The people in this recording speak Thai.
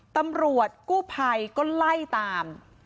ตำรวจกู้ภัยก็ไล่ตาม